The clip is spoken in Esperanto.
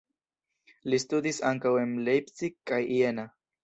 Li studis ankaŭ en Leipzig kaj Jena.